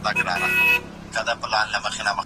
زه له سهاره پوښتنه کوم.